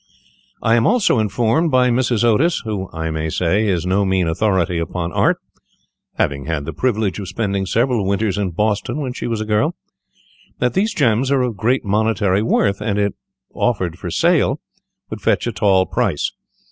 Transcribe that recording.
I am also informed by Mrs. Otis, who, I may say, is no mean authority upon Art, having had the privilege of spending several winters in Boston when she was a girl, that these gems are of great monetary worth, and if offered for sale would fetch a tall price.